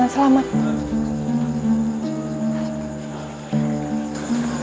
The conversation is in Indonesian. dan pulang dengan selamat